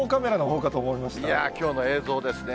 いやー、きょうの映像ですね。